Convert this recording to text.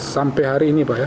sampai hari ini pak